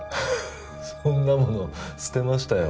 そんなもの捨てましたよ